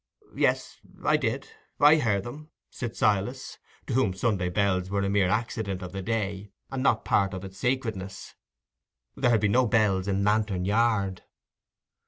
"Yes, I did; I heard 'em," said Silas, to whom Sunday bells were a mere accident of the day, and not part of its sacredness. There had been no bells in Lantern Yard.